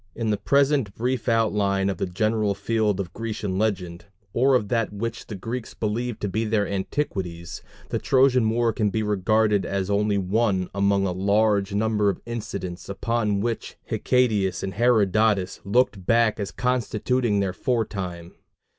In the present brief outline of the general field of Grecian legend, or of that which the Greeks believed to be their antiquities, the Trojan war can be regarded as only one among a large number of incidents upon which Hecatæus and Herodotus looked back as constituting their fore time.